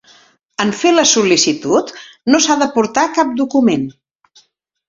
En fer la sol·licitud no s'ha d'aportar cap document.